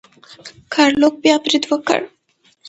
ګارلوک بیا برید وکړ.